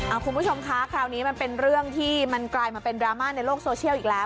คุณผู้ชมคะคราวนี้มันเป็นเรื่องที่มันกลายมาเป็นดราม่าในโลกโซเชียลอีกแล้ว